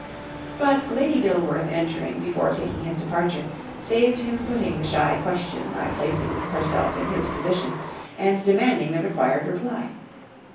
But Lady Dilworth entering before taking his departure, saved him putting the shy question by placing herself in his position and demanding the required reply.